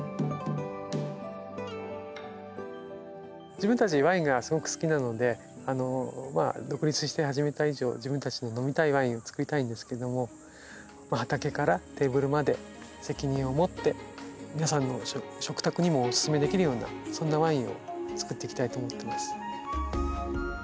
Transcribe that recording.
自分たちワインがすごく好きなので独立して始めた以上自分たちの飲みたいワインを造りたいんですけどもまあ畑からテーブルまで責任を持って皆さんの食卓にもお勧めできるようなそんなワインを造っていきたいと思ってます。